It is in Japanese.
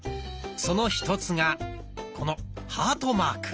その一つがこのハートマーク。